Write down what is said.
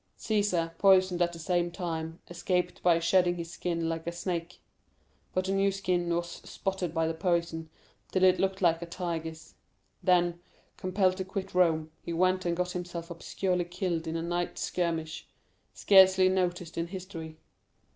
Cæsar, poisoned at the same time, escaped by shedding his skin like a snake; but the new skin was spotted by the poison till it looked like a tiger's. Then, compelled to quit Rome, he went and got himself obscurely killed in a night skirmish, scarcely noticed in history.